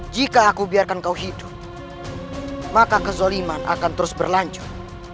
jika aku biarkan kau hidup maka kezoliman akan terus berlanjut